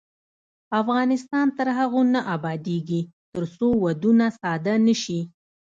افغانستان تر هغو نه ابادیږي، ترڅو ودونه ساده نشي.